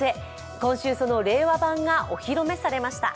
今週、その令和版がお披露目されました。